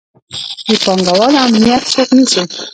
د پانګوالو امنیت څوک نیسي؟